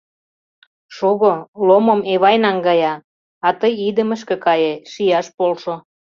Шого, ломым Эвай наҥгая, а тый идымышке кае, шияш полшо.